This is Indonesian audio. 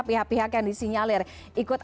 pihak pihak yang disinyalir ikut